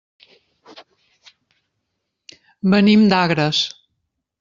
Venim d'Agres.